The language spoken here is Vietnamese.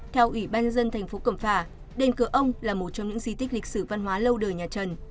theo ủy ban dân thành phố cẩm phả đền cửa ông là một trong những di tích lịch sử văn hóa lâu đời nhà trần